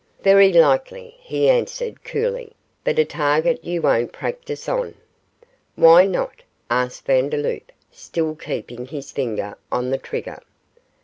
'Very likely,' he answered, coolly, 'but a target you won't practise on.' 'Why not?' asked Vandeloup, still keeping his finger on the trigger.